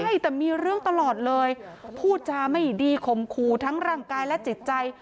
ใช่แต่มีเรื่องตลอดเลยพูดจาไม่ดีข่มขู่ทั้งร่างกายและจิตใจ